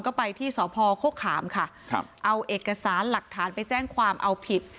ก็ไปที่สพโฆขามค่ะครับเอาเอกสารหลักฐานไปแจ้งความเอาผิด